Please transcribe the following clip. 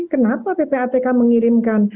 kenapa ppatk mengirimkan